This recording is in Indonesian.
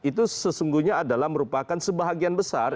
itu sesungguhnya adalah merupakan sebahagian besar